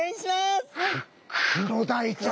ククロダイちゃん。